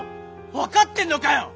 分かってんのかよ！